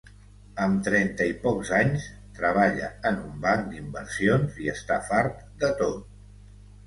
Amb trenta i pocs anys, treballa en un banc d’inversions i està fart de tot.